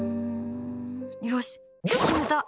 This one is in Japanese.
よしっ、決めた！